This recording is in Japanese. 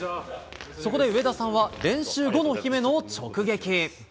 そこで上田さんは、練習後の姫野を直撃。